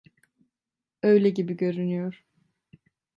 Öyle gibi görünüyor.